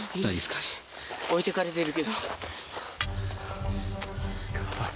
置いてかれてるけど。